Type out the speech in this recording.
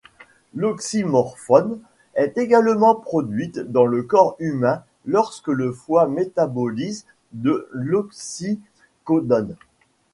L’oxymorphone est également produite dans le corps humain lorsque le foie métabolise de l’oxycodone.